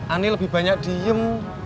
ani lebih banyak diem